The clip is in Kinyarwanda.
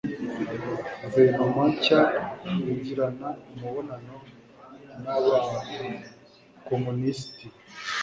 guverinoma nshya yagirana umubonano n abakomunisiti